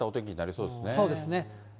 そうですね。